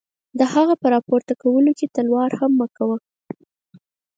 د هغه په را پورته کولو کې تلوار هم مه کوه.